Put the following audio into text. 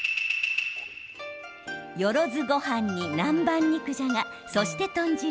よろずごはんに南蛮肉じゃがそして豚汁。